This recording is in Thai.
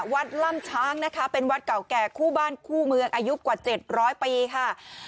ล่ำช้างนะคะเป็นวัดเก่าแก่คู่บ้านคู่เมืองอายุกว่า๗๐๐ปีค่ะ